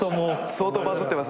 相当バズってます